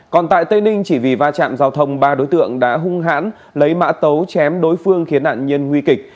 còn tại tây ninh chỉ vì va chạm giao thông ba đối tượng đã hung hãn lấy mã tấu chém đối phương khiến nạn nhân nguy kịch